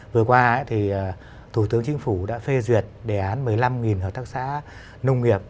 vừa qua thủ tướng chính phủ đã phê duyệt đề án một mươi năm hợp tác xã nông nghiệp